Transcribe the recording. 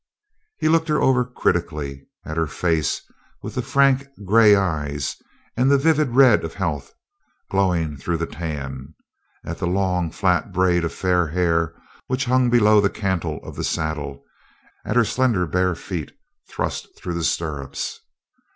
He looked her over critically at her face with the frank gray eyes and the vivid red of health glowing through the tan; at the long flat braid of fair hair, which hung below the cantle of the saddle; at her slender bare feet thrust through the stirrups.